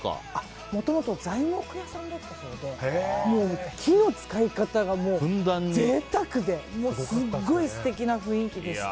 もともと材木屋さんだったそうで木の使い方が贅沢ですごい素敵な雰囲気でした。